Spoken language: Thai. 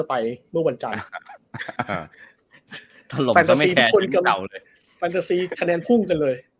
รอบไปเมื่อวันจังค่ะสะลมก็ไม่แคร์จังของค่ะ